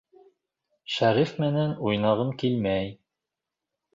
Шәриф менән уйнағым килмәй.